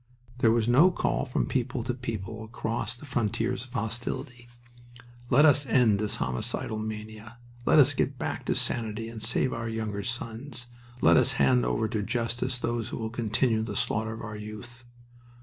There was no call from people to people across the frontiers of hostility: "Let us end this homicidal mania! Let us get back to sanity and save our younger sons. Let us hand over to justice those who will continue the slaughter of our youth!"